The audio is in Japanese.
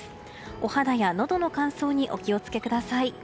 お肌やのどの乾燥にお気を付けください。